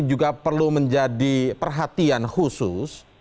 juga perlu menjadi perhatian khusus